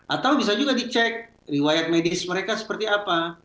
atau bisa juga dicek riwayat medis mereka seperti apa